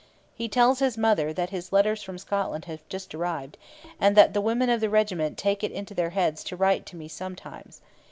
He tells his mother that his letters from Scotland have just arrived, and that 'the women of the regiment take it into their heads to write to me sometimes.'